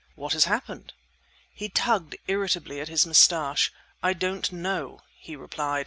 "What has happened?" He tugged irritably at his moustache. "I don't know!" he replied.